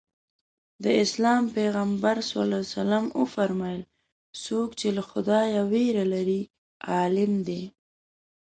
د اسلام پیغمبر ص وفرمایل څوک چې له خدایه وېره لري عالم دی.